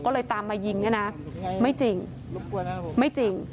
ก็เลยตามมายิงเนี่ยนะไม่จริงไม่จริง